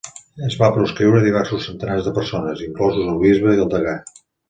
Es va proscriure a diversos centenars de persones, inclosos el bisbe i el degà.